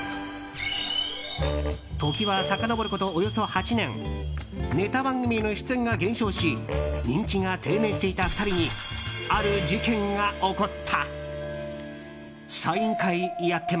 時はさかのぼること、およそ８年ネタ番組への出演が減少し人気が低迷していた２人にある事件が起こった。